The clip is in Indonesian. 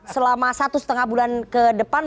selama satu setengah bulan ke depan